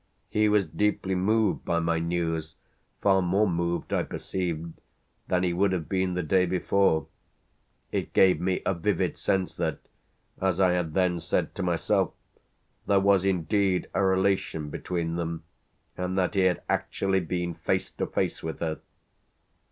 He was deeply moved by my news far more moved, I perceived, than he would have been the day before: it gave me a vivid sense that, as I had then said to myself, there was indeed a relation between them and that he had actually been face to face with her.